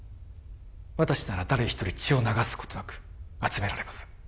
私なら誰一人血を流すことなく集められます